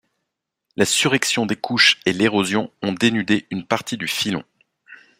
La surrection des couches et l'érosion ont dénudé une partie du filon.